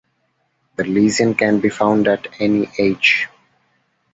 The lesion can be found at any age.